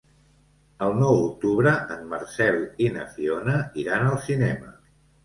El nou d'octubre en Marcel i na Fiona iran al cinema.